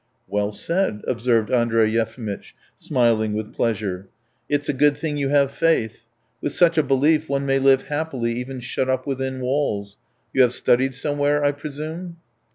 "Well said," observed Andrey Yefimitch, smiling with pleasure; its a good thing you have faith. With such a belief one may live happily even shut up within walls. You have studied somewhere, I presume?"